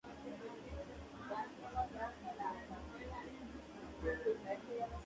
Sin embargo, la máquina es demasiado pesada y la línea se resbala.